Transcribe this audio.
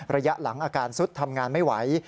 ระยะหลังอาการซุดทำงานไม่ไหว